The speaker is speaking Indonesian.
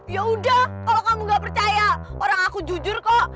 yaudah kalau kamu nggak percaya orang aku jujur kok